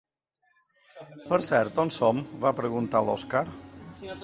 Per cert, on som? —va preguntar l'Oskar.